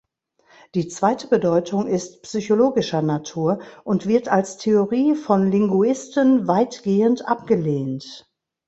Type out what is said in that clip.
Die zweite Bedeutung ist psychologischer Natur und wird als Theorie von Linguisten weitgehend abgelehnt.